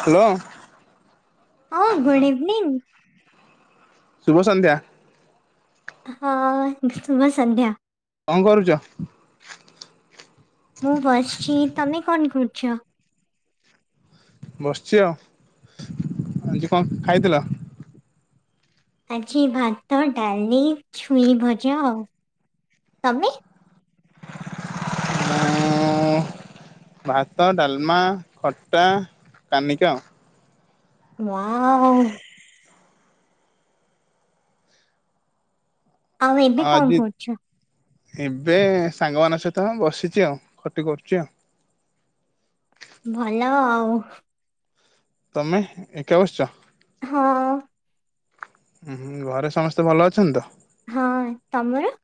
Hello ହଁ good evening. ଶୁଭ ସନ୍ଧ୍ୟା। ହଁ ଶୁଭ ସନ୍ଧ୍ୟା। କଣ କରୁଛ। ମୁଁ ବସିଛି ତମେ କଣ କର [unintelligible] ବସିଛି ଆଉ ଆଜି କଣ ଖାଇଥିଲ। ଆଜି ଭାତ ଡାଲି ଛୁଇଁ ଭଜା ଆଉ ତମେ [inaudible] ଭାତ ଡାଲମା ଖଟା କାନିକା ଆଉ ୱାଓ। ଆଉ ଏବେ କଣ କରୁଛ? ଏବେ ସାଙ୍ଗମାନଙ୍କ ସହିତ ବସିଛି ଆଉ ଖଟି କରୁଛି ଆଉ ଭଲ ଆଉ। ତମେ ଏକା ବସିଛ? ହଁ। ଉ ହୁଁ ଘରେ ସମସ୍ତେ ଭଲ ଅଛନ୍ତି ତ? ହଁ ତମର।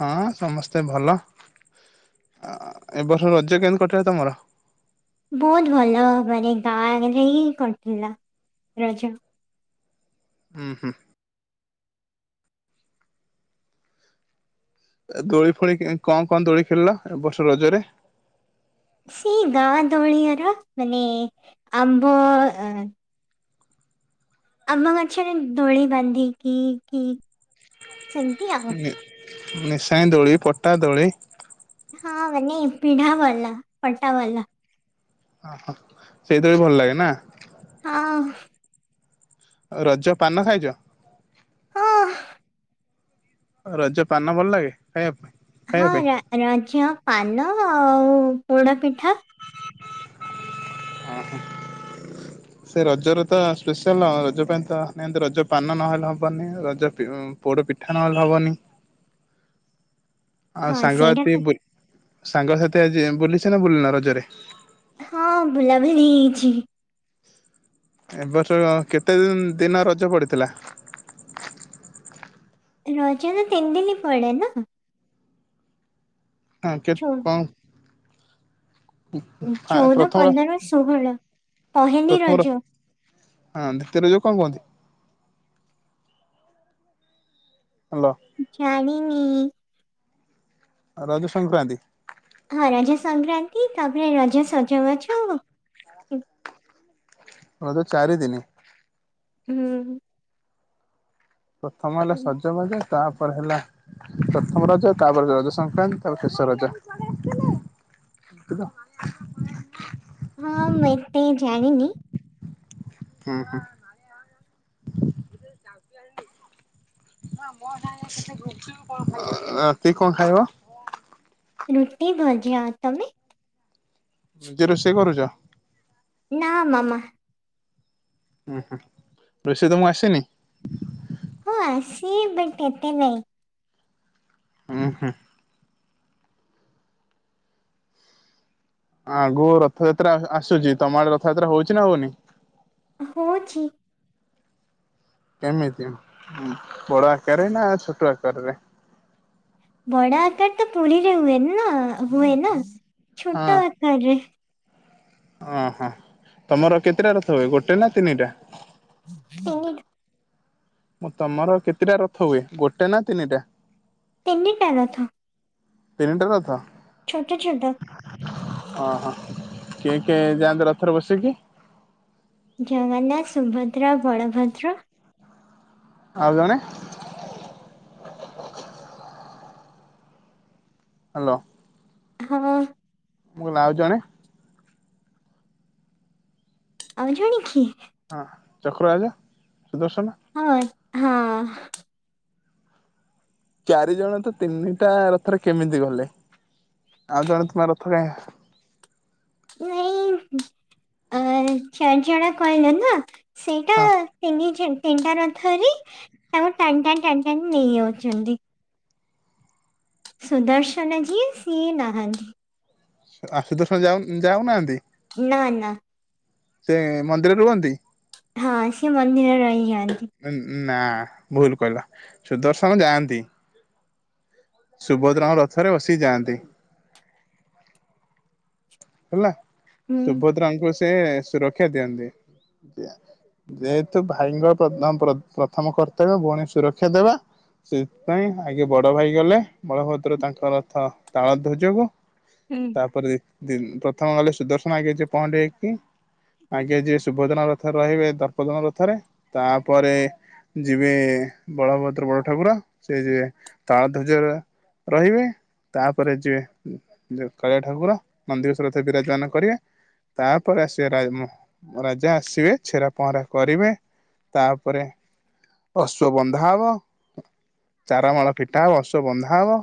ହଁ ସମସ୍ତେ ଭଲ [inaudible] ଏବ ବର୍ଷ ରଜ କେମିତି କଟିବ ତମର? ବହୁତ ଭଲ ମାନେ ଗାଁ ହେଇ କରୁଥିଲା ରଜ। ହୁଁ ହୁଁ। ଦୋଳି ଫୋଳି କଣ କଣ ଦୋଳି ଖେଳିଲ ବର୍ଷ ରଜରେ? ସେଇ ଗାଁ ଦୋଳିଆର ମାନେ ଆମ୍ବ ଆମ ଗଛରେ ଦୋଳି ବାନ୍ଧି କି କି ସେମିତି ଆଉ ନିଶାଣୀ ଦୋଳି ପଟା ଦୋଳି। ହଁ ମାନେ ପିଢା ବାଲା ଫଟା ବାଲା ଓହୋ ସେଇଥି ବି ଭଲ ଲାଗେ ନା? ହଁ। ରଜ ପାନ ଖାଇଛ? [inaudible] ରଜ ପାନ ଭଲ ଲାଗେ ଖାଇବା ପାଇଁ ହଁ ଖାଇବା ପାଇଁ ରଜ ପାନ ଆଉ ପୋଡା ପିଠା [inaudible] ଓ ହ ସେ ରଜର ତ ସ୍ପେଶାଲ ରଜ ପାଇଁ ତ ନିତି ରଜ ପାନ ନହେଲେ ହବନି। ରଜ ପୋଡ ପିଠା ନହେଲେ ହବନି। ଆ ହଁ ସାଙ୍ଗ ସେଇଟା ତ ସାଙ୍ଗ ସା ଆଜି ବୁଲିଚ ନା ନାହିଁ ରଜରେ ହଁ ବୁଲାବଲି ହେଇଛି ଏବର୍ଷ କେତେ ଦିନ ରଜ ପଡିଥିଲା। [inaudible] ରଜ ତ ତିନି ଦିନ ପଡେ ନା। ଚଉ [unintelligible] ଚଉଦ ପ୍ରଥମର ପନ୍ଦର ଷୋହଳ ପହିଲି ପ୍ରଥମର ରଜ। ହଁ ଦ୍ୱିତୀୟ ରଜ କଣ କୁହନ୍ତି। [inaudible] ହାଲୋ। ଜାଣିିନି। ରଜ ସଂକ୍ରାନ୍ତି ହଁ ରଜା ସଂକ୍ରାନ୍ତି ତାପରେ ରଜା ସଜବାଜ ରଜ ଚାରି ଦିନ ହୁଁ। ପ୍ରଥମ ହେଲା ସଜବାଜ ତାପରେ ହେଲା ପ୍ରଥମ ରଜ ତାପରେ ରଜ ସଂକ୍ରାନ୍ତି ତାପରେ ଶେଷ ରଜ ହଁ ମୁଁ ଏତେ ଜାଣିିନି? ଉଁ ହୁଁ [inaudible] ରାତିକି କଣ ଖାଇବା? ରୁଟି ଭଜା ଆଉ ତମେ? ନିଜେ ରୋଷେଇ କରୁଛ। ନା ମାମା ଉୁଁ ହୁଁ ରୋଷେଇ ତ ମୁଁ ଆସିନି। ହଁ ଆସ ବଟ ଏତେ ନାଇଁ ହୁ ହୁ। ଆଗକୁ ରଥଯାତ୍ରା ଆସୁଛି ତମ ଆଡେ ରଥଯାତ୍ରା ହଉଛି ନା ହଉନି। ହଉଚି କେମିତି ବଡ ଆକାରରେ ନା ଛୋଟ ଆକାରରେ। ବଡ ଆକାର ତ ପୁରୀରେ ହୁଏନି ନା ହୁଏ ନା ହଁ ଛୋଟ ଆକାରରେ ଓହୋ ତମର କେତେଟା ରଥିବ ଗୋଟେ ନା ତିନିଟା। ତିନିଟା ମୁଁ ତମର କେତେଟା ରଥ ହୁଏ ଗୋଟେ ନା ତିନିଟା। ତିନିଟରଥ। ଟେଣ୍ଟ ରଥ ଛୋଟ ଛୋଟ ଓହୋ କିଏ କିଏ ଯାଆନ୍ତି ରଥରେ ବସିକି। ଜଗନ୍ନାଥ ସୁଭଦ୍ରା ବଳଭଦ୍ର ଆଉ ଜଣେ ହାଲୋ। ହଁ। ମୁଁ [inaudible] ଆାଉ ଜଣେ। ଆଉ ଜଣେ କିଏ? ହଁ ଚକ୍ରରାଜା। ସୁଦର୍ଶନ। ହଁ ହଁ। ଚାରି ଜଣ ତ ତିନିଟା ରଥରେ କେମିତି ଗଲେ ଆଉ ଜଣେ ତୁମ ରଥ କାହିଁ? ନାଇଁ ଚାରି ଜଣ କହିଲ ନା। ସେଇଟା ହଁ ତିନି ଜଣ। ତିନିଟା ରଥରେ ତାଙ୍କୁ ଟାଣି ଟାଣି ଟାଣି ଟାଣି ନେଇଯାଉଛନ୍ତି। ସୁଦର୍ଶନ ଯିଏ ସିଏ ନାହାନ୍ତି। ଆଶୁତୋଷ ଯାଉ ଯାଉନାହାନ୍ତି? ନା ନା। ସେ ମନ୍ଦିରରେ ରୁହନ୍ତି। ହଁ ସିଏ ମନ୍ଦିରରେ ରହିଯାଆନ୍ତି। ନା ଭୁଲ କହିଲ ସୁଦର୍ଶନ ଯାଆନ୍ତି। ସୁଭଦ୍ରାଙ୍କ ରଥରେ ବସି ଯାଆନ୍ତି। ହେଲା। ହୁଁ। ସୁଭଦ୍ରାଙ୍କୁ। ସେ ସୁରକ୍ଷା ଦିଅନ୍ତି ଯେହେତୁ ଭାଇଙ୍କ ପ୍ରଥମ କର୍ତ୍ତବ୍ୟ ଭଉଣୀ ସୁରକ୍ଷା ଦେବା ସେଥିପାଇଁ ଆଗେ ବଡ ଭାଇ ଗଲେ ବଳଭଦ୍ର ତାଙ୍କ ରଥ ତାଳ ଧ୍ୱଜକୁ। ହୁଁ। ତାପରେ। ପ୍ରଥମ ଗଲେ ସୁଦର୍ଶନ ଆଗେ ଯିଏ ପହଁଣ୍ଡି ହେଇକି ଆଗେ ଯିଏ ସୁଭଦ୍ରାଙ୍କ ରଥରେ ରହିବେ ଦର୍ପଦଳନ ରଥରେ ତାପରେ ଯିବେ ବଳଭଦ୍ର ବଡ଼ ଠାକୁର ସେ ଯିଏ ତାଳ ଧ୍ୱଜରେ ରହିବେ ତାପରେ ଯିବେ କଳିଆ ଠାକୁର। ନନ୍ଦିଘୋଷ ରଥରେ ବିରାଜମାନ କରିବେ ତାପରେ ଆସିବେ ରାଜା ଆସିବେ ଛେରା ପହଁରା କରିବେ ତାପରେ ଅଶ୍ଵ ବନ୍ଧା ହବ ଚାରମାଳ ପିଠା ହବ ଅଶ୍ୱ ବନ୍ଧା ହବ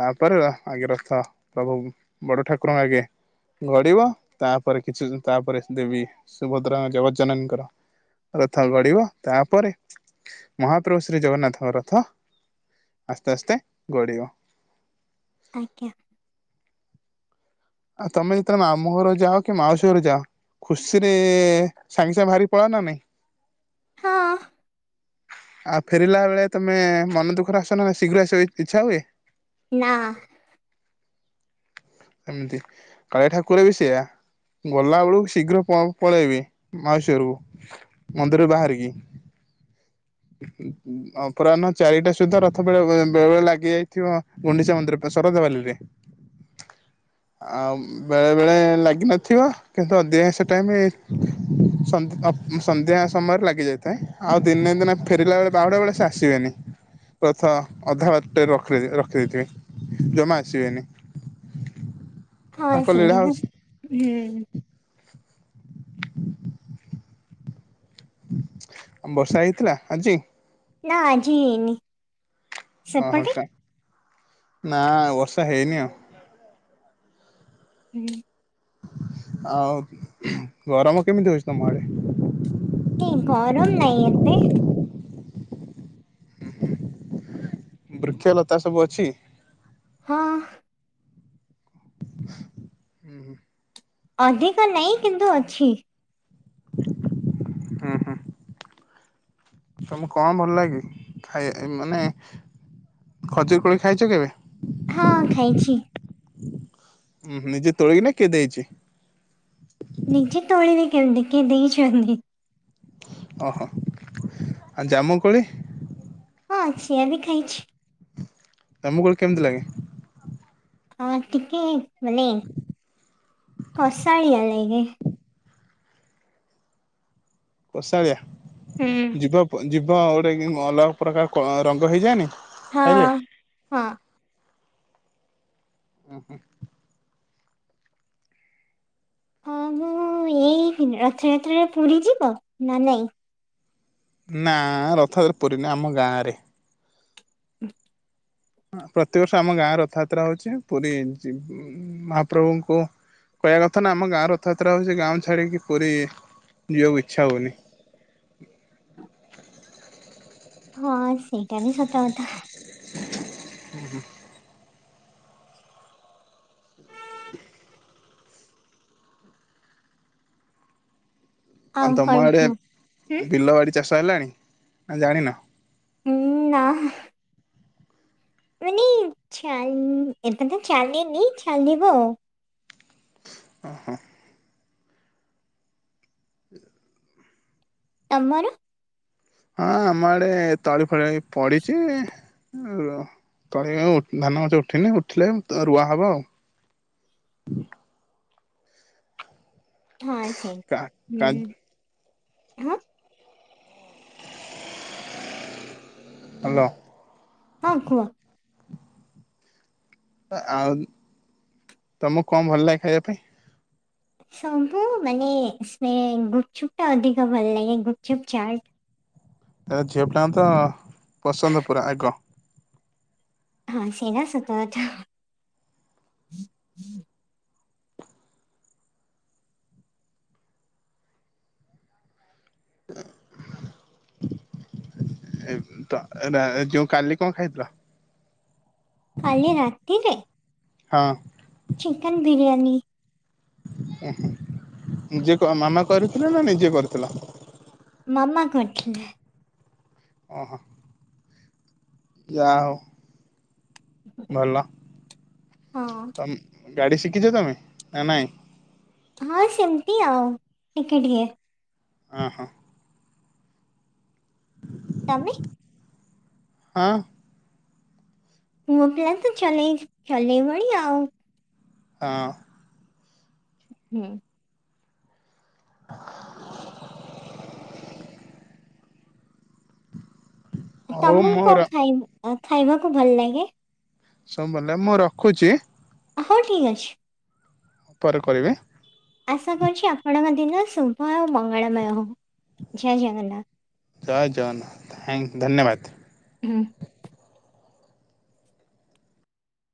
ତାପରେ ଆଗେରଥ ପ୍ରଭୁ ବଡ଼ ଠାକୁରଙ୍କ ଆଗେ। ଗଡିବ ତାପରେ କିଛି ତାପରେ ଦେବୀ ସୁଭଦ୍ରାଙ୍କ ଜଗଜ୍ଜଙ୍କର ରଥ ଗଢିବ ତାପରେ ମହାପ୍ରଭୁ ଶ୍ରୀ ଜଗନ୍ନାଥଙ୍କ ରଥ ଆସ୍ତେ ଆସ୍ତେ ଗଡିବ। ଆଜ୍ଞା। ଆଉ ତମେ ଯେତେବେଳେ ମାମୁଁ ଘର ଯାଅ କି ମାଉସୀ ଘର ଯାଅ ଖୁସିରେ ସାଙ୍ଗେ ସାଙ୍ଗେ ବାହାରି ପଳାଅ ନା ନାଇଁ? ହଁ। ଆଉ ଫେରିଲା ବେଳେ ତମେ ମନ ଦୁଃଖରେ ଆସ ନା ଶୀଘ୍ର ଆସିବାକୁ ଇଚ୍ଛା ହୁଏ। ନା। ଏମିତି କାଳିଆ ଠାକୁର ବି ସେୟା ଗଲା ବେଳକୁ ଶୀଘ୍ର ପଳେଇବେ ମାଉସୀ ଘରକୁ ମନ୍ଦିରରୁ ବାହାରିକି ଅପରାହ୍ନ ଚାରିଟା ସୁଦ୍ଧା ରଥ ବେଳେବେଳେ ଲାଗି ଯାଇଥିବ ଗୁଣ୍ଡିଚା ମନ୍ଦିର ଶରଧା ବାଲିରେ। ଆଉ ବେଳେ ବେଳେ ଲାଗିନଥିବ କିନ୍ତୁ ଅଧିକାଂଶ ଟାଇମ ସନ୍ଧ୍ୟା ସମୟରେ ଲାଗି ଯାଇଥାଏ ଆଉ ଦିନେ ଦିନେ ଫେରିଲା ବେଳେ ବାହୁଡା ବେଳେ ସେ ଆସିବେନି ରଥ ଅଧା ବାଟରେ ରଖିଦେଇଥିବେ ଜମା ଆସିବେନି। ହଁ ତାଙ୍କ ଲୀଳା ସେଇଟା ହଉଛି। [inaudible] ବର୍ଷା ହେଇଥିଲା ଆଜି? ନା ଆଜି ହେଇନି। ଓହୋ ସେପଟେ? ନା। ବର୍ଷା ହେଇନେଇ ଆଉ। ହୁଁ। ଆଉ ଗରମ କେମିତି ହେଉଛି ତମ ଆଡ଼େ? କି ଗରମ ନାହିଁ ଏତେ। ବୃକ୍ଷଲତା ସବୁ ଅଛି? ହଁ। [inaudible] ଅଧିକ ନାଇଁ କିନ୍ତୁ ଅଛି। ହୁଁ ହୁଁ। ତମକୁ କଣ ଭଲ ଲାଗେ ଖାଇ ମାନେ ଖଜୁର କୋଳି ଖାଇଛ କେବେ? ହଁ ଖାଇଛି। ଉଁହୁଁ ନିଜେ ତୋଳିକିନା କିଏ ଦେଇଛି? ନିଜେ ତୋଳି ବି କେମିତି କିିଏ ଦେଇଛନ୍ତି। ଓ ହୋ ଆ ଜାମୁକୋଳି? ହଁ ସିଏ ବି ଖାଇଛି। ଦାମକୁଳ କେମିତି ଲାଗେ? ହଁ ଟିକେ। ମାନେ କଷାଳିଆ ଲାଗେ। କଷାଳିଆ। ହୁଁ। ଯିବା ଯିବ ହଁ ଗୋଟେ ଅଲଗା ପ୍ରକାର କ ରଙ୍ଗ ହେଇଯାଏନି? ହଁ ଖାଇଲେ? ହଁ ଉଁ ହୁଁ। ହଁ ମୁଁ ଏଇ ରଥଯାତ୍ରାରେ ପୁରୀ ଯିବ ନା ନାଇଁ? ନା ରଥରେ ପୁରୀ ନୁହଁ ଆମ ଗାଁରେ। [unintelligible] ପ୍ରତିବର୍ଷ ଆମ ଗାଁ ରଥଯାତ୍ରା ହଉଛି ପୁରୀ ମହାପ୍ରଭୁଙ୍କୁ କହିବା କଥା ନା ଆମ ଗାଁ ରଥଯାତ୍ରା ହଉଛି ଗାଁ ଛାଡିକି ପୁରୀ ଯିବାକୁ ଇଚ୍ଛା ହଉନି। ହଁ ସେଇଟା ବି ସତ କଥା। [inaudible] ଆଉ ତମ କଣ ଆଡେ କୁହ? ହୁଁ। ବିଲ ବାଡି ଚାଷ? ହେଲାଣି ନା ଜାଣିନା? ଉ ନା। ମାନେ ଛାଲି ଟିକେ ଚାଲନି ଚାଲିବି ଆଉ। ଓହୋ। [inaudible] ତମର ହଁ ଆମ ଆଡେ ତଳି ଫଳି ପଡିଛି। ତଳି ଧାନ ଗଛ ଉଠିନି ଉଠିଲେ ରୁଆ ହବ ଆଉ। [inaudible] ହଁ ସେଇ ହୁଁ। ହ୍ୟାଲୋ ହାଁ। [inaudible] ହାଲୋ। ହଁ କୁହ। ଆଉ [inaudible] ତମକୁ କଣ ଭଲ ଲାଗେ ଖାଇବା ପାଇଁ। ଶବୁ ମାନେ ସେ ଗୁପଚୁପ ଟା ଅଧିକ ଭଲ ଲାଗେ ଗୁପଚୁପ୍ ଚାଟ। ଏ ଝିଅ ପିଲାଙ୍କତ ପସନ୍ଦ ପୁରା ଆଗ। ହଁ ସେରା ସତ କଥା। [inaudible] [inaudible] ଏ ତ ଏ ଯୋଉ କାଲି କଣ ଖାଇଥିଲ? କାଲି ରାତିରେ ହଁ। ଚିକେନ ବିରିୟାନୀ। [inaudible] ଏ ନିଜେ କ ମାମା କରିଥିଲେ ନା ନିଜେ କରିଥିଲ? ମାମା କରିଥିଲେ। ଓହୋ। ଯାହା ହୋଉ। ଭଲ [inaudible] ହଁ ତମ୍ ଗାଡି ଶିଖିଛ ତମେ ନା ନାଇଁ? ହଁ ସେମିତି ଆଉ ଟିକେ ଟିକେ। ଅଁ ହୋ। ତମେ? ହଁ। ପୁଅପିଲା ତ ଚଲେଇ ଚଲେଇ ବଣୀ ଆଉ। ହଁ। ହୁଁ। ହଉ ତମକୁ ମୋର କଣ ଖାଇନି ଏ ଖାଇବାକୁ ଭଲ ଲାଗେ? ସମ୍ବଲେ ମୁଁ ରଖୁଛି। ହଉ ଠିକ୍ ଅଛି। ପରେ କରିବେ। ଆଶା କରୁଛି ଆପଣମାନେ ଦିନ ଶୁଭ ହେଉ ମଙ୍ଗଳମୟ ହେଉ ଜୟ ଜଗନ୍ନାଥ। ଜୟ ଜଗନ୍ନାଥ ଥ୍ୟାଙ୍କ ଧନ୍ୟବାଦ। ହୁଁ।